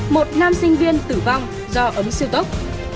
một nam sinh viên tử vong do ấm siêu tốc